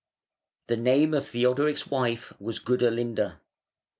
The name of Theodoric's wife was Gudelinda.